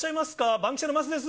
バンキシャの桝です。